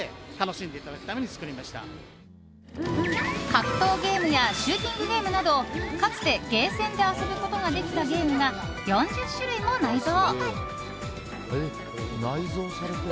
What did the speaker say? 格闘ゲームやシューティングゲームなどかつて、ゲーセンで遊ぶことができたゲームが４０種類も内蔵。